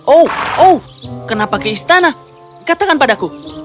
oh oh kenapa ke istana katakan padaku